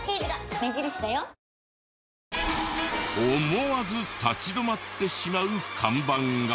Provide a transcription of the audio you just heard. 思わず立ち止まってしまう看板が！